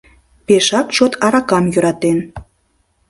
Пешак чот аракам йӧратен.